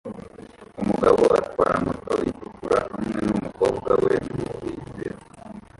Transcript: Umugabo atwara moto itukura hamwe numukobwa we mu bibero